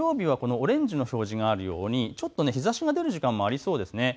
土曜日はオレンジの表示があるように、ちょっと日ざしが出る時間もありそうです。